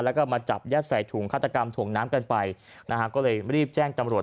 แล้วก็มาจับยัดใส่ถุงฆาตกรรมถ่วงน้ำกันไปนะฮะก็เลยรีบแจ้งตำรวจ